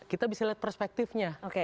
kita bisa lihat perspektifnya